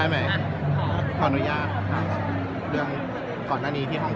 หน่อยดีหน่อยทอนุญาคเรื่องจาวฝนตัวนี้ที่ห้องนะ